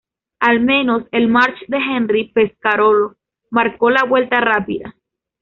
Al menos el March de Henri Pescarolo marcó la vuelta rápida.